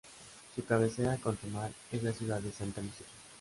Su cabecera cantonal es la ciudad de Santa Lucía.